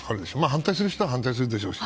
反対する人は反対するでしょうし。